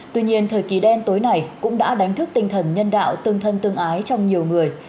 tuy nhiên thời kỳ đen tối này cũng đã đánh thức tinh thần nhân đạo tương thân tương ái trong nhiều người